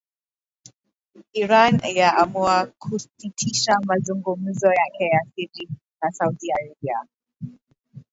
Iran yaamua kusitisha mazungumzo yake ya siri na Saudi Arabia.